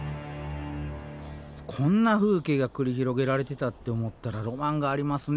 こんな風景が繰り広げられてたって思ったらロマンがありますね